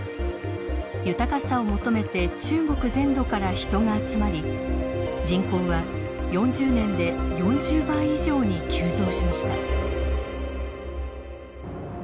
豊かさを求めて中国全土から人が集まり人口は４０年で４０倍以上に急増しました。